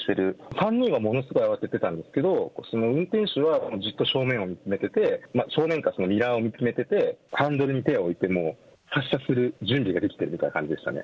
３人はものすごい慌ててたんですけれども、その運転手は、じっと正面を見つめてて、正面かミラーを見つめてて、ハンドルに手を置いて、もう発車する準備ができているみたいな感じでしたね。